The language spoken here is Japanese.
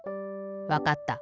わかった。